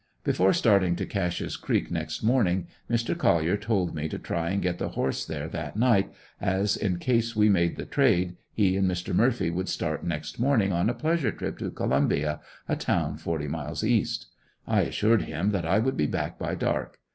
Before starting to Cashe's creek next morning Mr. Collier told me to try and get the horse there that night as, in case we made the trade, he and Mr. Murphy would start next morning on a pleasure trip to Columbia, a town forty miles east. I assured him that I would be back by dark.